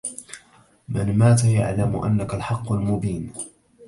من مات يعلم أنك الحق المبين